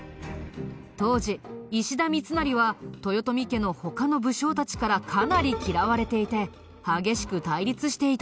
当時石田三成は豊臣家の他の武将たちからかなり嫌われていて激しく対立していたんだ。